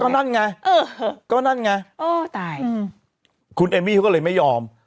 ก็นั่นไงเออก็นั่นไงอ้อตายคุณเอมมี่เขาก็เลยไม่ยอม